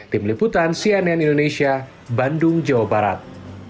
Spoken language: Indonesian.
tim liputan cnn indonesia bandung jawa barat